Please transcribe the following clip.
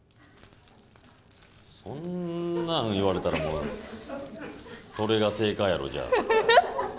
そんなん言われたら、もう、それが正解やろ、じゃあ。